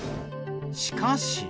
しかし。